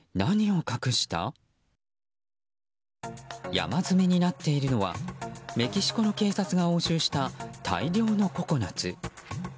山積みになっているのはメキシコの警察が押収した大量のココナツ。